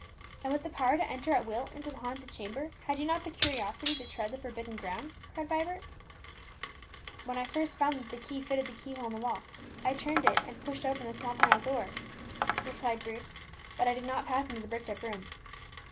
"And with the power to enter at will into the haunted chamber, had you not the curiosity to tread the forbidden ground?" cried Vibert. "When I first found that the key fitted the key hole in the wall, I turned it, and pushed open the small panel door," replied Bruce; "but I did not pass into the bricked up room."